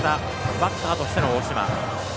バッターとしての大嶋。